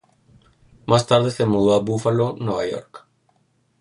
Más tarde se mudó a Buffalo, Nueva York.